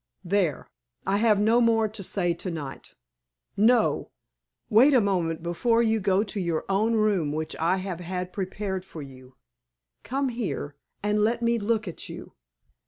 There! I have no more to say tonight No wait a moment before you go to your own room which I have had prepared for you. Come here, and let me look at you.